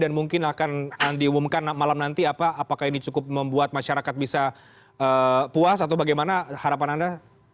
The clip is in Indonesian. mungkin akan diumumkan malam nanti apakah ini cukup membuat masyarakat bisa puas atau bagaimana harapan anda